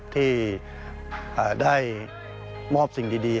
ที่ได้มอบสิ่งดี